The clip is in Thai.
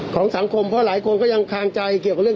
ของสังคมเพราะหลายคนก็ยังคางใจเกี่ยวกับเรื่อง